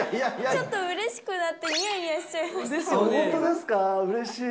ちょっとうれしくなってにやにやしちゃいました。